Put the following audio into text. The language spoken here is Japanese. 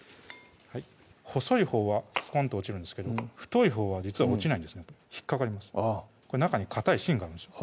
細いほうはスコンと落ちるんですけど太いほうは実は落ちないんですね引っ掛かります中にかたい芯があるんですよ